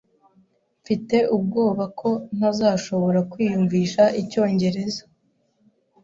Mfite ubwoba ko ntazashobora kwiyumvisha icyongereza